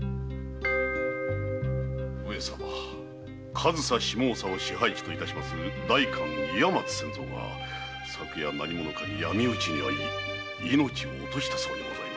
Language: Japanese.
上総下総を支配地といたします代官・岩松千蔵が昨夜何者かに闇討ちにあい命を落としたそうでございます。